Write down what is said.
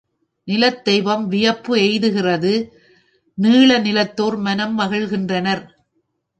நிலத் தெய்வம் வியப்பு எய்துகிறது நீள நிலத்தோர் மனம் மகிழ்கின்றனர்.